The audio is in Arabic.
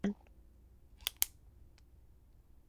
وَالِاسْتِمْدَادُ بِهَا أَعَمُّ نَفْعًا